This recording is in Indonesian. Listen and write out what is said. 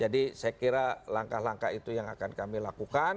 jadi saya kira langkah langkah itu yang akan kami lakukan